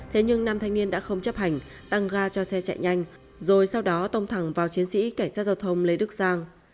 thế nhưng nam thanh niên đã không chấp hành tăng ga cho xe chạy nhanh rồi sau đó tông thẳng vào chiến sĩ cảnh sát giao thông lê đức giang